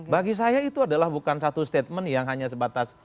bagi saya itu adalah bukan satu statement yang hanya sebatas